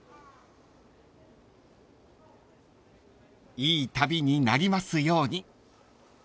［いい旅になりますように］